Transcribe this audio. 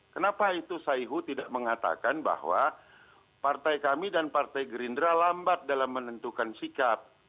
kenapa itu saihu tidak mengatakan bahwa partai kami dan partai gerindra lambat dalam menentukan sikap